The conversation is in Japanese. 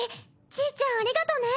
ちーちゃんありがとうね。